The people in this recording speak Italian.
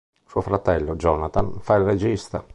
Suo fratello, Jonathan, fa il regista.